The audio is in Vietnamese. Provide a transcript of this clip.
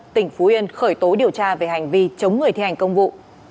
tỉnh phú yên khởi tố điều tra về hành vi chống người thi hành công vụ